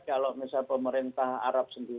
kalau misalnya pemerintah arab